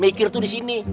mikir tuh disini